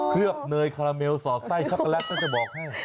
เคลือบเนยคาราเมลสอบไส้ชักกะแล็กมันจะบอกให้